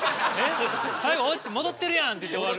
最後オチ「戻ってるやん！」って言って終わる。